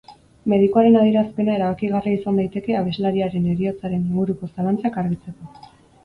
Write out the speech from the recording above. Medikuaren adierazpena erabakigarria izan daiteke abeslariaren heriotzaren inguruko zalantzak argitzeko.